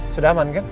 sudah aman kan